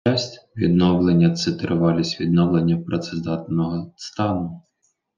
Час відновлення - це тривалість відновлення працездатного стану.